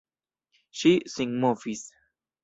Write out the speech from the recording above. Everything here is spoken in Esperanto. Ŝi sinmovis.